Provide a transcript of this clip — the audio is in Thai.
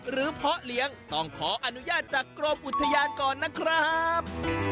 เพาะเลี้ยงต้องขออนุญาตจากกรมอุทยานก่อนนะครับ